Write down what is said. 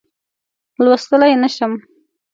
لوستلای نه شم.